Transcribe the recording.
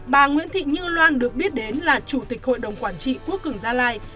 bà nguyễn thị như loan được biết đến là chủ tịch hội đồng quản trị quốc cường gia lai